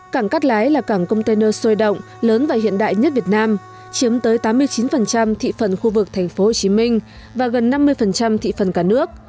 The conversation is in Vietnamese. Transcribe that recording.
cảng cắt lái là cảng container sôi động lớn và hiện đại nhất việt nam chiếm tới tám mươi chín thị phần khu vực tp hcm và gần năm mươi thị phần cả nước